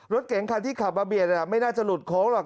รถเก๋งคันที่ขับมาเบียดไม่น่าจะหลุดโค้งหรอก